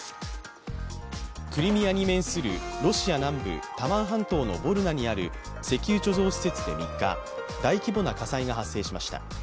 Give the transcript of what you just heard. クリミアに面するロシア南部タマン半島のボルナにある石油貯蔵施設で３日、大規模な火災が発生しました。